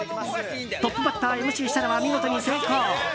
トップバッター、ＭＣ設楽は見事に成功。